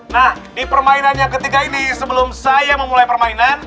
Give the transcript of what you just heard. nah di permainan yang ketiga ini sebelum saya memulai permainan